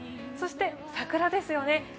そして桜ですよね。